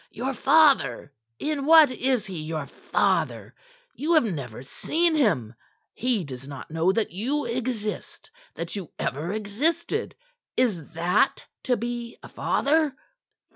"Your father! In what is he your father? You have never seen him; he does not know that you exist, that you ever existed. Is that to be a father?